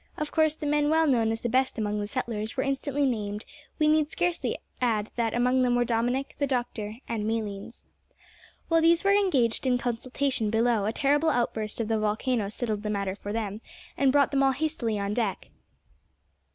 Of course, the men well known as the best among the settlers were instantly named we need scarcely add that among them were Dominick, the doctor, and Malines. While these were engaged in consultation below, a terrible outburst of the volcano settled the matter for them, and brought them all hastily on deck.